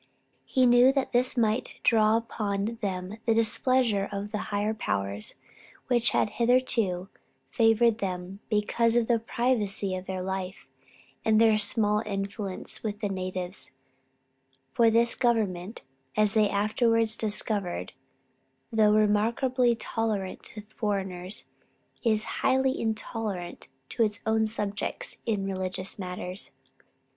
He knew that this might draw upon them the displeasure of the higher powers, which had hitherto favored them because of the privacy of their life, and their small influence with the natives; for this government, as they afterwards discovered, though remarkably tolerant to foreigners, is highly intolerant to its own subjects in religious matters.